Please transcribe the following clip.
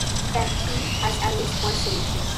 Then "P"("x") has at least one solution.